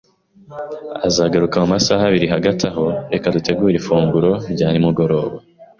Azagaruka mumasaha abiri. Hagati aho, reka dutegure ifunguro rya nimugoroba